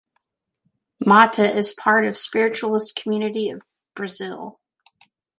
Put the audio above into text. Motta is part of spiritualist community of Brazil.